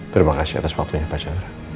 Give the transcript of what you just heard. terima kasih atas waktunya pak chandra